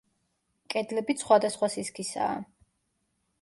კედლებიც სხვადასხვა სისქისაა.